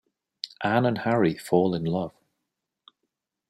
Anne and Harry fall in love.